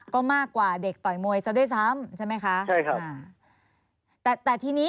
ก็มากกว่าเด็กต่อยโมยเสร็จด้วยซ้ำใช่ไหมคะ